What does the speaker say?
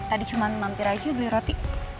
tadi cuma mampir aja beli roti